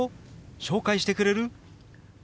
紹介してくれる？